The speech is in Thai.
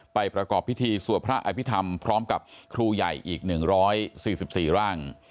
ประกอบพิธีสวดพระอภิษฐรรมพร้อมกับครูใหญ่อีก๑๔๔ร่าง